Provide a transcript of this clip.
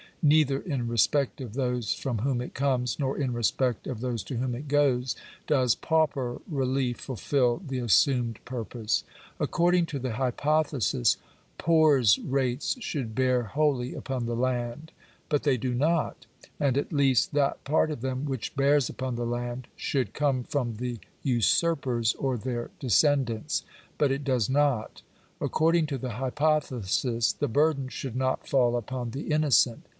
Neither in respect of those from whom it comes, nor in respect of those to whom it goes, does pauper relief fulfil the assumed purpose. According to the hypothesis poors' rates should bear wholly upon the land. But they do not And Digitized by VjOOQIC POOR LAWS. 317 at least that part of them which hears upon the land shouk come from the usurpers or their descendants. But it does not. According to the hypothesis the burden should not fall upon the innocent.